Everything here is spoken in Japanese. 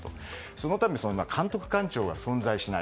そのため、監督官庁が存在しない。